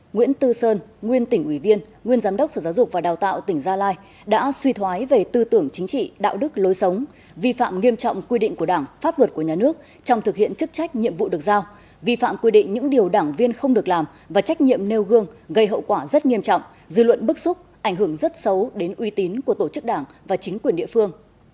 nguyên tỉnh ủy viên nguyên giám đốc sở giáo dục và đào tạo tỉnh gia lai đã suy thoái về tư tưởng chính trị đạo đức lối sống vi phạm nghiêm trọng quy định của đảng pháp luật của nhà nước trong thực hiện chức trách nhiệm vụ được giao vi phạm quy định những điều đảng viên không được làm và trách nhiệm nêu gương gây hậu quả rất nghiêm trọng dư luận bức xúc ảnh hưởng rất xấu đến uy tín của tổ chức đảng và chính quyền địa phương